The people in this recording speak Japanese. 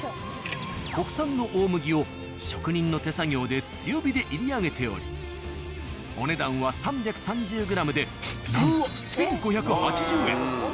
国産の大麦を職人の手作業で強火で炒り上げておりお値段は３３０ｇでなんと１５８０円！